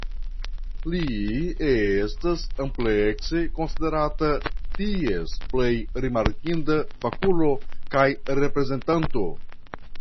Li estas amplekse konsiderata ties plej rimarkinda fakulo kaj reprezentanto.